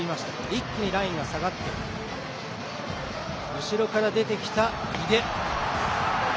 一気にラインが下がって後ろから出てきた井出。